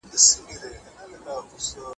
مځکه ډکه له رمو سوه د پسونو